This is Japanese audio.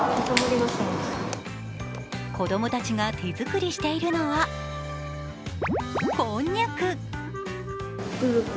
子供たちが手作りしているのはこんにゃく。